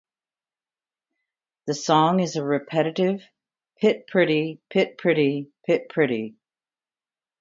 The song is a repetitive "pit-pretty, pit-pretty, pit-pretty".